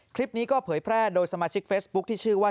คลิปนี้ก็เผยแพร่โดยสมาชิกเฟซบุ๊คที่ชื่อว่า